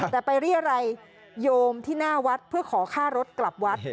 แต่ไปเรียรัยโยมที่หน้าวัดเพื่อขอค่ารถกลับวัด